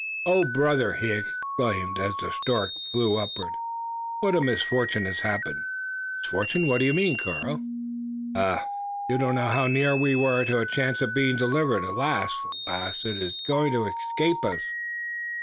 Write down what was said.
"Oh! brother!" he exclaimed, as the stork flew upward, "what a misfortune has happened!" "Misfortune! what mean you, Karl?" "Ah! you know not how near we were to a chance of being delivered. Alas! alas! it is going to escape us!"